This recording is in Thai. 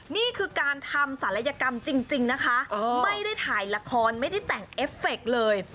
นี่คือการทำศัลยกรรมจริงนะคะไม่ได้ถ่ายละครไม่ได้แต่งเอฟเฟคเลย